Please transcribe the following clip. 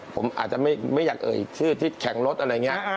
ผมอาจจะไม่อยากเอ่ยชื่อที่แข่งรถอะไรอย่างนี้